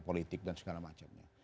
politik dan segala macamnya